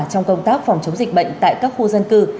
trong công tác phòng chống dịch bệnh tại các khu dân cư